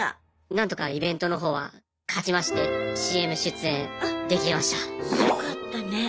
なんとかイベントの方は勝ちましてＣＭ出演できました。